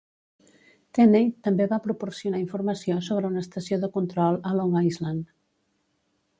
Tenney també va proporcionar informació sobre una estació de control a Long Island.